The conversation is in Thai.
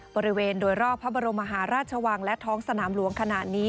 บริเวณโดยรอบพระบรมมหาราชวังและท้องสนามหลวงขณะนี้